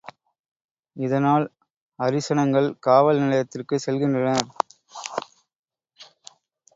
இதனால் அரிசனங்கள் காவல் நிலையத்திற்குச் செல்கின்றனர்!